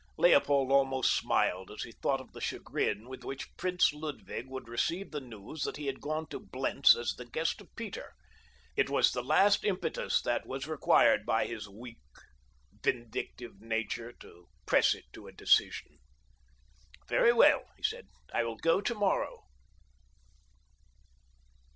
Leopold almost smiled as he thought of the chagrin with which Prince Ludwig would receive the news that he had gone to Blentz as the guest of Peter. It was the last impetus that was required by his weak, vindictive nature to press it to a decision. "Very well," he said, "I will go tomorrow."